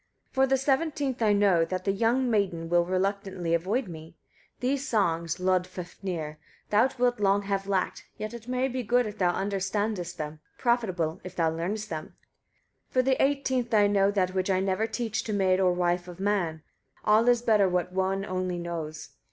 164. For the seventeenth I know, that that young maiden will reluctantly avoid me. These songs, Loddfafnir! thou wilt long have lacked; yet it may be good if thou understandest them, profitable if thou learnest them. 165. For the eighteenth I know that which I never teach to maid or wife of man, (all is better what one only knows.